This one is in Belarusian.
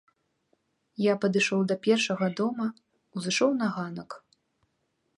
Я падышоў да першага дома, узышоў на ганак.